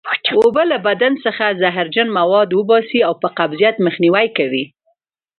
اوبه له بدن څخه زهرجن مواد وباسي او قبضیت مخنیوی کوي